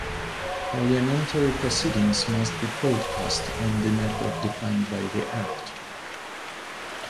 Parliamentary proceedings must be broadcast on the network defined by the Act.